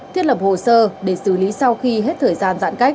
thiết lập hồ sơ để xử lý sau khi hết thời gian giãn cách